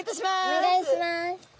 お願いします。